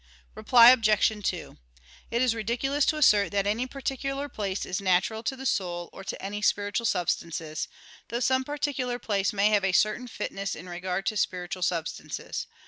Reply Obj. 2: It is ridiculous to assert that any particular place is natural to the soul or to any spiritual substances, though some particular place may have a certain fitness in regard to spiritual substances.